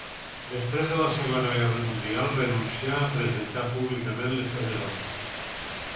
Després de la Segona Guerra Mundial renuncià a presentar públicament les seves obres.